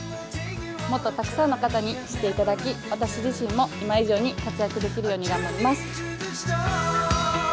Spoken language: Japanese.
もっとたくさんの方に知っていただき、私自身も今以上に活躍できるように頑張ります。